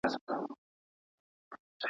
د عرب خبره زړه ته سوله تېره.